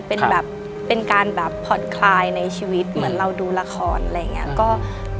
เป็นการพอดคลายในชีวิตเหมือนเราดูละครอะไรอย่างนี้